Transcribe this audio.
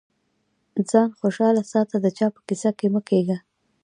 ځان خوشاله ساته د چا په کيسه کي مه کېږه.